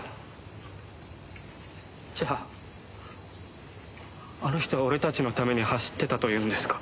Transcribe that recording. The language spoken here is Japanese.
じゃああの人は俺たちのために走ってたというんですか？